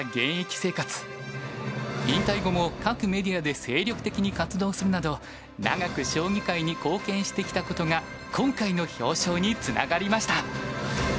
引退後も各メディアで精力的に活動するなど長く将棋界に貢献してきたことが今回の表彰につながりました。